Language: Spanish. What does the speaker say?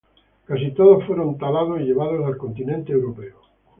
Casi todos fueron talados y llevados al continente europeo.